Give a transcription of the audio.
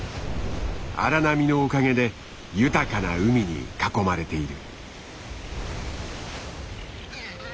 荒波のおかげで豊かな海に囲まれている。